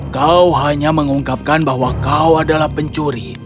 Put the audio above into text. kau hanya mengungkapkan bahwa kau adalah pencuri